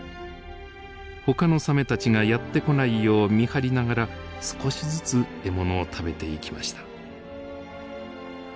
ほかのサメたちがやって来ないよう見張りながら少しずつ獲物を食べていきました。